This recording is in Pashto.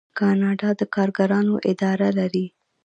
کاناډا د کارګرانو اداره لري.